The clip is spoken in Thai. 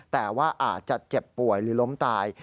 แต่ว่าอาจจะเจ็บป่วยหรือล้มตาย